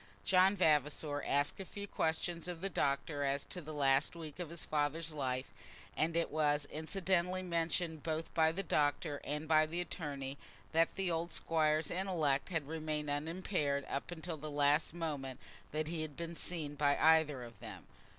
John Vavasor asked a few questions of the doctor as to the last weeks of his father's life; and it was incidentally mentioned, both by the doctor and by the attorney, that the old Squire's intellect had remained unimpaired up to the last moment that he had been seen by either of them.